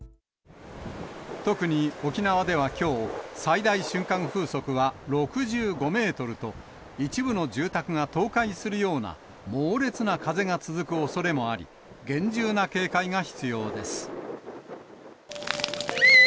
特に沖縄ではきょう、最大瞬間風速は６５メートルと、一部の住宅が倒壊するような猛烈な風が続くおそれもあり、厳重な警戒が必要です。